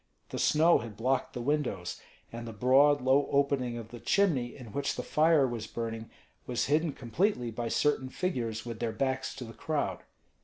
The snow had blocked the windows; and the broad, low opening of the chimney in which the fire was burning was hidden completely by certain figures with their backs to the crowd.